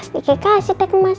kiki kasih deh kemas